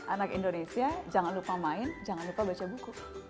anak indonesia jangan lupa main jangan lupa baca buku